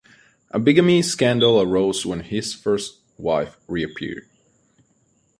A bigamy scandal arose when his first wife reappeared.